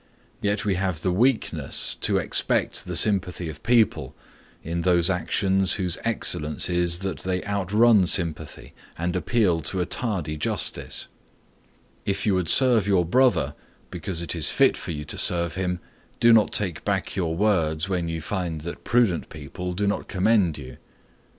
Yet we have the weakness to expect the sympathy of people in those actions whose excellence is that they outrun sympathy and appeal to a tardy justice. If you would serve your brother, because it is fit for you to serve him, do not take back your words when you find that prudent people do not commend you.